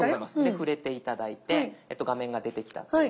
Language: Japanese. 触れて頂いて画面が出てきたと思います。